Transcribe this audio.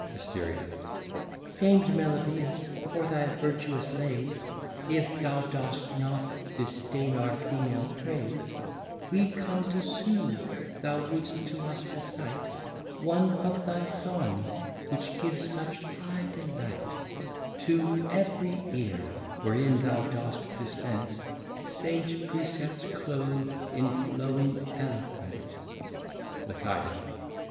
Asteria. Fam'd Melibæus for thy Virtuous Lays, If thou dost not disdain our Female Praise, We come to sue thou would'st to us recite One of thy Songs, which gives such high delight To ev'ry Eare, wherein thou dost dispense Sage Precepts cloath'd in flowing Eloquence. _Licida.